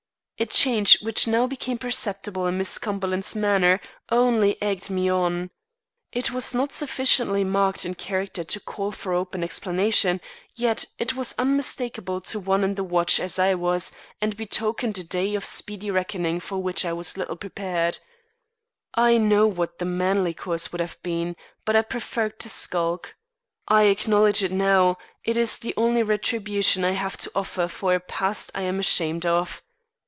A change which now became perceptible in Miss Cumberland's manner, only egged me on. It was not sufficiently marked in character to call for open explanation, yet it was unmistakable to one on the watch as I was, and betokened a day of speedy reckoning for which I was little prepared. I know what the manly course would have been, but I preferred to skulk. I acknowledge it now; it is the only retribution I have to offer for a past I am ashamed of.